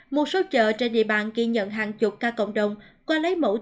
một số chợ trên địa bàn ghi nhận hàng chục ca